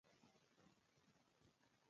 ښه نوم جوړول وخت غواړي.